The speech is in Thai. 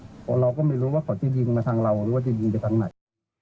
เพราะเราก็ไม่รู้ว่าเขาจะยิงมาทางเราหรือว่าจะยิงไปทางไหน